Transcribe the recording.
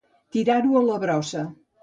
Tirar-ho a la brossa.